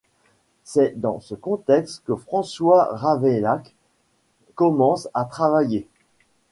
C'est dans ce contexte que François Ravaillac commence à travailler.